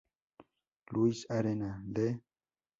Louis Arena de St.